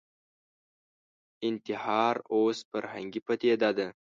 انتحار اوس فرهنګي پدیده ده